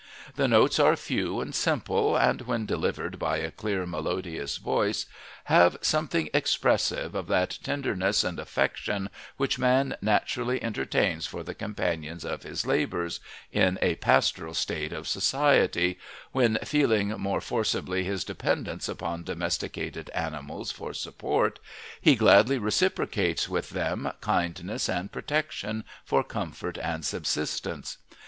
The notes are few and simple, and when delivered by a clear, melodious voice, have something expressive of that tenderness and affection which man naturally entertains for the companions of his labours, in a pastoral state of society, when, feeling more forcibly his dependence upon domesticated animals for support, he gladly reciprocates with them kindness and protection for comfort and subsistence.